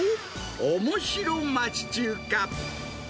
おもしろ町中華。